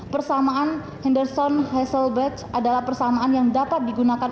persamaan henderson hasselbach adalah persamaan yang dapat digunakan